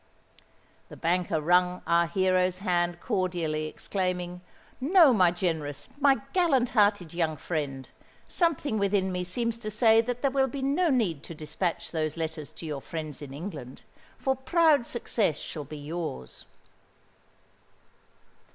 The banker wrung our hero's hand cordially, exclaiming, "No, my generous—my gallant hearted young friend; something within me seems to say that there will be no need to dispatch those letters to your friends in England; for proud success shall be yours!"